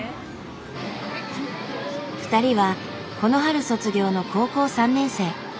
２人はこの春卒業の高校３年生。